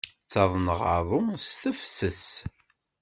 Ttaḍneɣ aḍu s tefses.